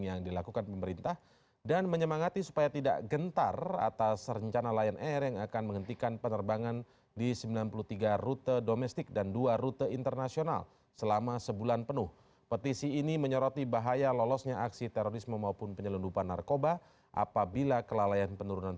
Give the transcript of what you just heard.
kalau kami menyimpulkan disini seakan akan kita berpihak pula